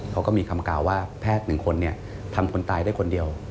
เขาก็มีคำกล่าวว่าแพทย์๑คนทำคนตายได้คนเดียว